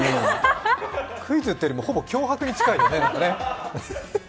クイズっていうよりも、ほぼ脅迫に近いよね。